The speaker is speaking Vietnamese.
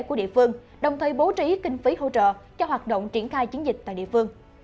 của địa phương đồng thời bố trí kinh phí hỗ trợ cho hoạt động triển khai chiến dịch tại địa phương